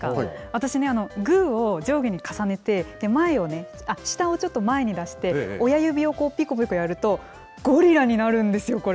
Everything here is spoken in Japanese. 私ね、ぐーを上下に重ねて、前を、下をちょっと前に出して、親指をぴこぴこやると、ゴリラになるんですよ、これ。